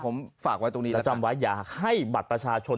ผมฝากไว้ตรงนี้แล้วจำไว้อยากให้บัตรประชาชน